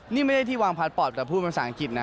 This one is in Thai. นี่ไม่ได้ที่วางพาร์ทปอร์ตแต่พูดภาษาอังกฤษนะ